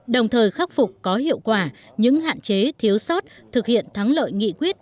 đồng thời khắc phục có hiệu quả những hạn chế thiếu sót thực hiện thắng lợi nghị quyết